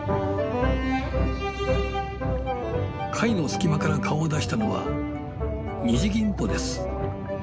貝の隙間から顔を出したのはニジギンポです。